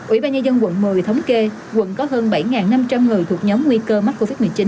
ủy ban nhân dân quận một mươi thống kê quận có hơn bảy năm trăm linh người thuộc nhóm nguy cơ mắc covid một mươi chín